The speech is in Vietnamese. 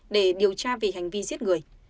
để điều tra về hành vi giết người